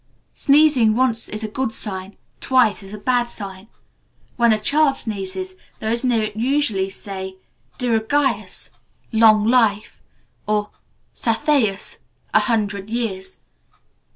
Sneezing once is a good sign; twice, a bad sign. When a child sneezes, those near it usually say "dirgayus" (long life), or "sathayus" (a hundred years).